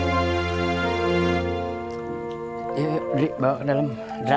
ayo indri bawa ke dalam drak